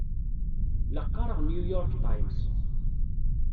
La qqareɣ New York Times.